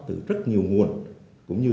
từ rất nhiều nguồn cũng như